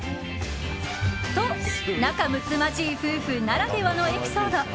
と、仲むつまじい夫婦ならではのエピソード。